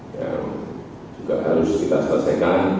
yang juga harus kita selesaikan